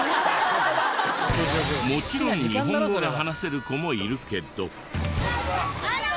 もちろん日本語で話せる子もいるけど。